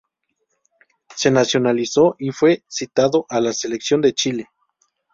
Se nacionalizó y fue citado a la Selección de Chile.